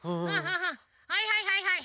はいはいはいはい！